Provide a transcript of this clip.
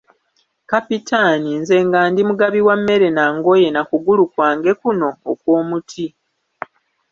Kapitaani, nze nga ndi mugabi wa mmere na ngoye, na kugulu kwange kuno okw'omuti.